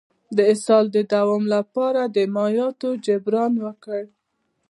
د اسهال د دوام لپاره د مایعاتو جبران وکړئ